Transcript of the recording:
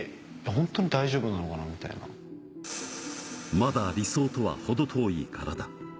まだ理想とは程遠い体。